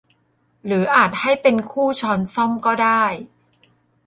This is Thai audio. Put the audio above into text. หรืออาจให้เป็นคู่ช้อนส้อมก็ได้